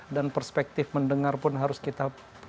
dan perspektif mendengar pun harus kita